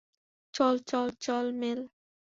চল, চল, চল, মেল!